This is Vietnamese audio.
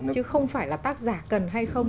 chứ không phải là tác giả cần hay không